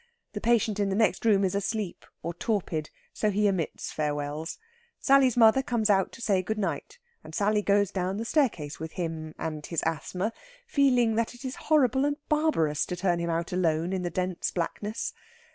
The patient in the next room is asleep or torpid, so he omits farewells. Sally's mother comes out to say good night, and Sally goes down the staircase with him and his asthma, feeling that it is horrible and barbarous to turn him out alone in the dense blackness.